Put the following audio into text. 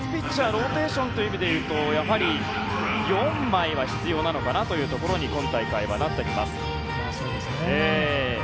ローテーションという意味でいうとやはり４枚は必要なのかなというところに今大会、なってきます。